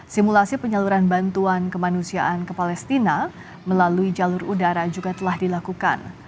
simulasi penyaluran bantuan kemanusiaan ke palestina melalui jalur udara juga telah dilakukan